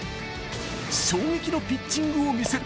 衝撃のピッチングを見せる。